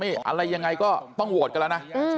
อะไรยังไงก็ต้องโหวตกันแล้วนะ